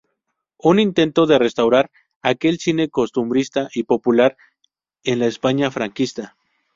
Un intento de restaurar aquel cine costumbrista y popular en la España franquista.